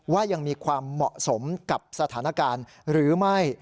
ว่ายังมีความเหมาะสมกับสถานการณ์หรือไม่